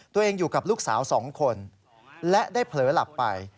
ตัวเองอยู่กับลูกสาว๒คนและได้เผลอหลับไป